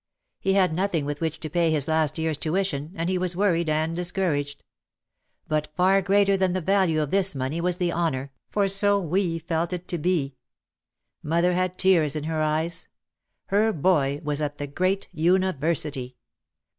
He had nothing with which to pay his last year's tuition, and he was worried and discouraged. But far greater than the value of this money was the honour, for so we felt it to be. Mother had tears in her eyes. Her boy was at the great university!